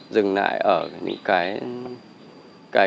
dừng lại ở những cái